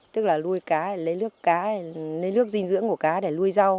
tức là nuôi cá lấy nước dinh dưỡng của cá để nuôi rau